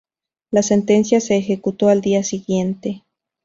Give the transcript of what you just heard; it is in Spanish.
La sentencia se ejecutó al día siguiente.